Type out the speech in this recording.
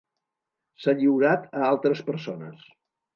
S'ha lliurat a altres persones.